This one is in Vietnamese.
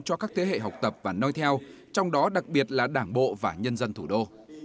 cho các thế hệ học tập và nôi theo trong đó đặc biệt là đảng bộ và nhân dân thủ đô